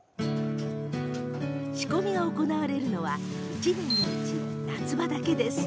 仕込みが行われるのは１年のうち夏場だけ。